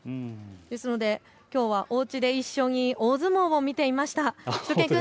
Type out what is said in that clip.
ですのできょうはおうちで一緒に大相撲を見ていました。